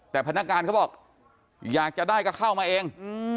แต่พนักงานเขาบอกอยากจะได้ก็เข้ามาเอง